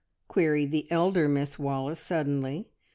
queried the elder Miss Wallace suddenly.